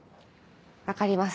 分かります